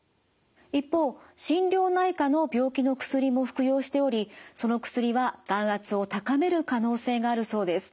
一方心療内科の病気の薬も服用しておりその薬は眼圧を高める可能性があるそうです。